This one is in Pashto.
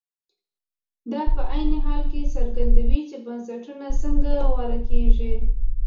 دا په عین حال کې څرګندوي چې بنسټونه څنګه غوره کېږي.